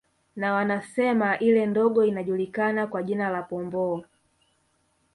Na wanasema ile ndogo inajulikana kwa jina la Pomboo